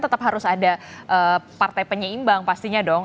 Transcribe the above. tetap harus ada partai penyeimbang pastinya dong